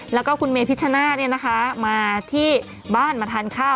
แล้วก็คุณเมพิชชนาธิ์มาที่บ้านมาทานข้าว